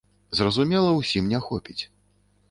Зразумела, усім не хопіць.